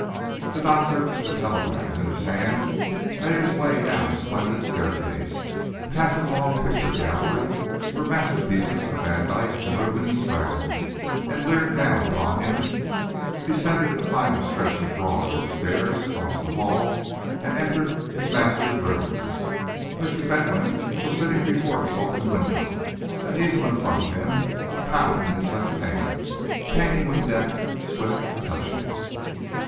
The doctor, with the telegrams in his hand, made his way down a splendid staircase, past the long picture gallery where masterpieces of Van Dyck and Rubens frowned and leered down upon him; descended the final stretch of broad oak stairs, crossed the hall, and entered his master's rooms. Mr. Fentolin was sitting before the open window, an easel in front of him, a palette in his left hand, painting with deft, swift touches.